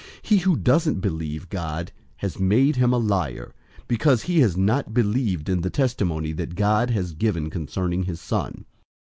He who doesn't believe God has made him a liar, because he has not believed in the testimony that God has given concerning his Son.